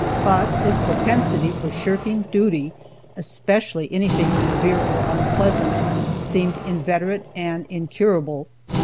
But his propensity for shirking duty, especially anything severe or unpleasant, seemed inveterate and incurable.